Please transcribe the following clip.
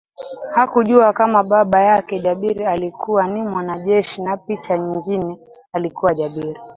Hakujua kama baba yake Jabir alikuwa ni mwanajeshi na picha nyingine alikuwa Jabir